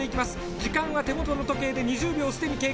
時間は手元の時計で２０秒を既に経過。